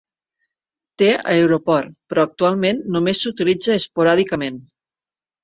Té aeroport però actualment només s'utilitza esporàdicament.